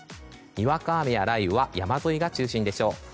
にわか雨や雷雨は山沿いが中心でしょう。